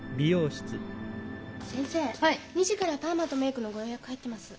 先生２時からパーマとメークのご予約入ってます。